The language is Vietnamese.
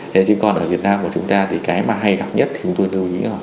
thế nhưng còn ở việt nam của chúng ta thì cái mà hay gặp nhất thì chúng tôi lưu ý là